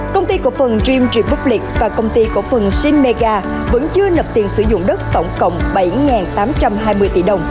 công ty cổ phần dream republic và công ty cổ phần simega vẫn chưa nập tiền sử dụng đất tổng cộng bảy tám trăm hai mươi tỷ đồng